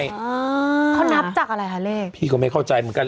อ่าเขานับจากอะไรคะเลขพี่ก็ไม่เข้าใจเหมือนกัน